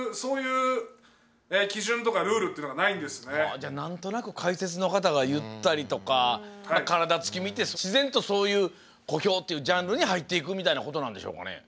じゃあなんとなく解説の方が言ったりとか体つき見て自然とそういう小兵っていうジャンルに入っていくみたいなことなんでしょうかね。